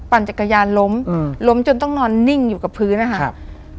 จักรยานล้มอืมล้มจนต้องนอนนิ่งอยู่กับพื้นนะคะครับ